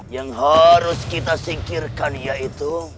yang harus kita singkirkan yaitu